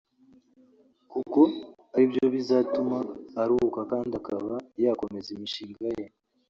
kuko aribyo bizatuma aruhuka kandi akaba yakomeza imishinga ye